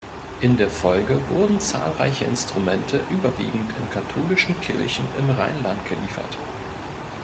In der Folge wurden zahlreiche Instrumente überwiegend in katholische Kirchen im Rheinland geliefert.